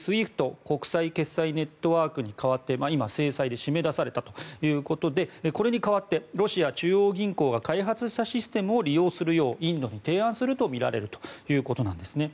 ＳＷＩＦＴ国際決済ネットワークに代わって今、制裁で締め出されたということでこれに代わってロシア中央銀行が開発したシステムを利用するようインドに提案するとみられるということです。